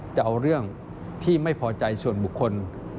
จะเอาเรื่องที่ไม่พอใจส่วนบุคคล